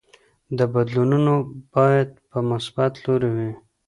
بدلونونه باید په مثبت لوري وي.